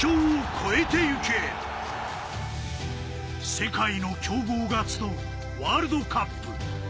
世界の強豪が集うワールドカップ。